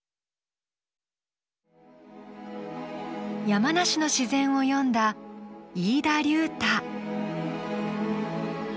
山梨の自然を詠んだ飯田龍太。